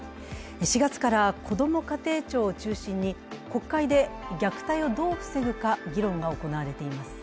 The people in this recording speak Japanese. ４月からこども家庭庁を中心に国会で虐待をどう防ぐか議論が行われています。